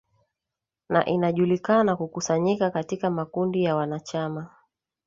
na inajulikana kukusanyika katika makundi ya wanachama